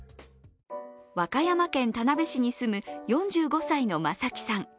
和歌山県田辺市に住む４５歳の正木さん。